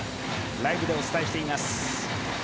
ライブでお伝えしています。